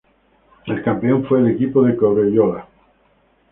El campeón fue el equipo de Cobreloa.